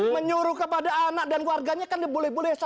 menyuruh kepada anak dan keluarganya kan boleh boleh saja